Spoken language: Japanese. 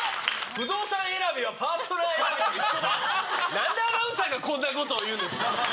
何でアナウンサーがこんなことを言うんですか。